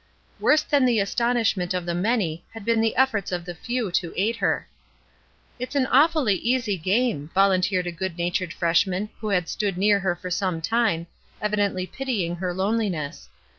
Worse than the astonishment of the many, had been the efforts of the few to aid her. ''It's an awfully easy game/' volunteered a good natured Freshman who had stood near her for some time, evidently pitying her loneli ness.